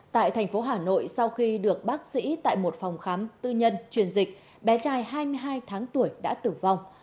tại thành phố hà nội sau khi được bác sĩ tại một phòng khám tư nhân truyền dịch bé trai hai mươi hai tháng tuổi đã tử vong